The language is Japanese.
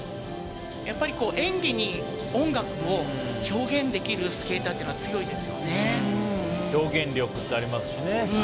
やっぱり演技に音楽を表現できるスケーターというのは表現力ってありますしね。